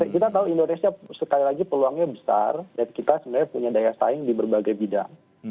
kita tahu indonesia sekali lagi peluangnya besar dan kita sebenarnya punya daya saing di berbagai bidang